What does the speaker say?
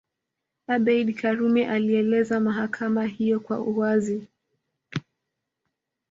Abeid Karume alieleza mahakama hiyo kwa uwazi